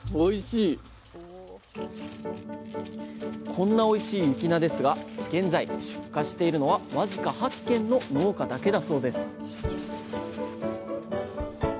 こんなおいしい雪菜ですが現在出荷しているのは僅か８軒の農家だけだそうです